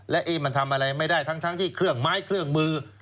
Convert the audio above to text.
และมันทำอะไรไม่ได้ทั้งที่เครื่องไม้เครื่องมือ